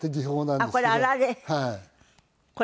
あっこれあられ。